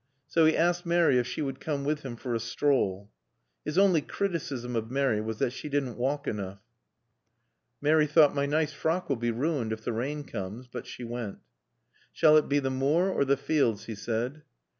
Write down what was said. So he asked Mary if she would come with him for a stroll. (His only criticism of Mary was that she didn't walk enough.) Mary thought, "My nice frock will be ruined if the rain comes." But she went. "Shall it be the moor or the fields?" he said.